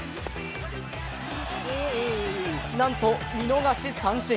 なんと見逃し三振。